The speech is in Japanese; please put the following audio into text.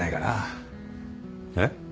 えっ？